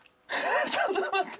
ちょっと待って！